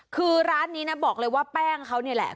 คือร้านนี้นะบอกเลยว่าแป้งเขานี่แหละ